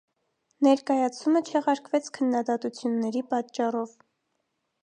Ներկայացումը չեղարկվեց քննադատությունների պատճառով։